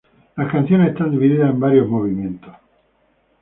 Las canciones están divididas en varios movimientos.